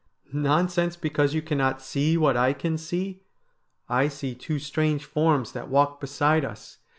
' Nonsense, because you cannot see what I can see. I see two strange forms that walk beside us.